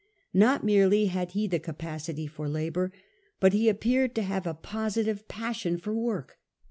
Not merely had he the capacity for labour, but he appeared to have a positive passion for work.